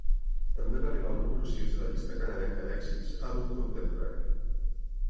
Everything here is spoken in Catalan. També va arribar al número sis de la llista canadenca d'èxits Adult Contemporary.